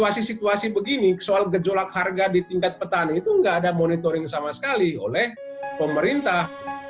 masih situasi begini soal gejolak harga di tingkat petani itu nggak ada monitoring sama sekali oleh pemerintah